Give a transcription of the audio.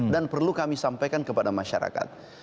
dan perlu kami sampaikan kepada masyarakat